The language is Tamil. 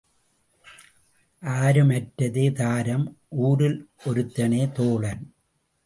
ஆரும் அற்றதே தாரம் ஊரில் ஒருத்தனே தோழன்.